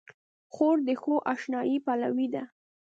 خور د ښو اشنايي پلوي ده.